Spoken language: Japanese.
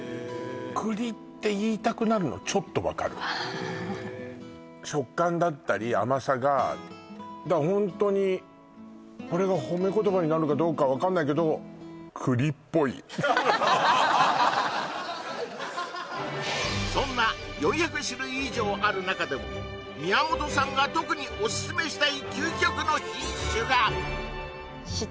栗って言いたくなるのちょっと分かる食感だったり甘さがホントにこれが褒め言葉になるかどうか分かんないけどそんな４００種類以上ある中でも宮本さんが特におすすめしたい究極の品種が！